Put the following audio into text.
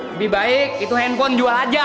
lebih baik itu handphone jual aja